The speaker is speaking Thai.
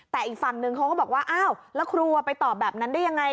แต่อีกฝั่งหนึ่งเขาว่าว่าอ้าวแล้วครูอะไปต่อแบบนั้นได้อย่างไร